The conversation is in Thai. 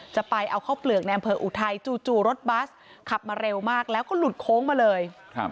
จะเอาข้าวเปลือกในอำเภออุทัยจู่รถบัสขับมาเร็วมากแล้วก็หลุดโค้งมาเลย